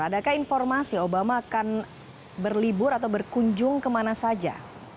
adakah informasi obama akan berlibur atau berkunjung kemana saja